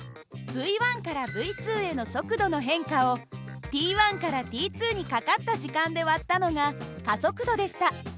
υからυへの速度の変化をｔからｔにかかった時間で割ったのが加速度でした。